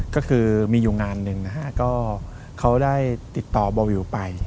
ก็คือมีอยู่งานหนึ่งก็เขาได้ติดต่อบ่อยูไป